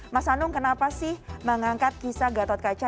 mas anung kenapa sih mengangkat kisah gatot kaca